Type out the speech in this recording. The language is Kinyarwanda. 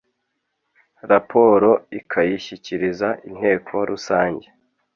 raporo ikayishyikiriza inteko rusange,